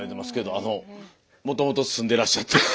あのもともと住んでらっしゃって。